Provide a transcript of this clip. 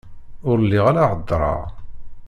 Ur lliɣ ara heddreɣ...